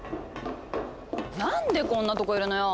なんでこんなとこいるのよ！